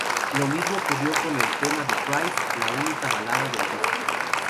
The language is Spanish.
Lo mismo ocurrió con el tema "The Price", la única balada del disco.